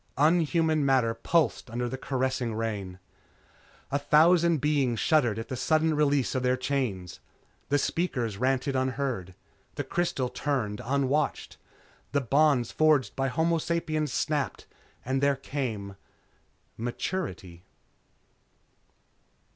Unhuman matter pulsed under the caressing rain. A thousand beings shuddered at the sudden release of their chains. The speakers ranted unheard. The crystals turned unwatched. The bonds forged by homo sapiens snapped and there came _Maturity.